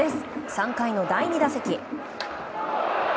３回の第２打席。